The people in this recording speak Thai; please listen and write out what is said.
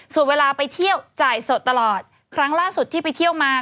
ส่วนเวลาไปเที่ยวจ่ายสดตลอดครั้งล่าสุดที่ไปเที่ยวมา